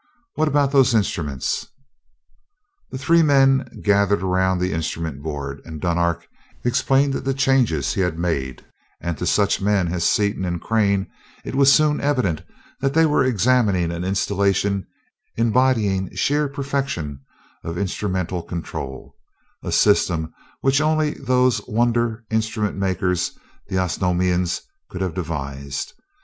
What about those instruments?" The three men gathered around the instrument board and Dunark explained the changes he had made and to such men as Seaton and Crane it was soon evident that they were examining an installation embodying sheer perfection of instrumental control a system which only those wonder instrument makers, the Osnomians, could have devised.